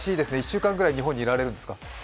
１週間ぐらいは日本にいられますか？